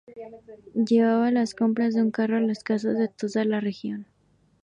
Llevaba las compras en un carro a las casas de toda la región.